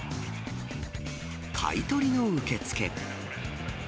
買い取りの受付。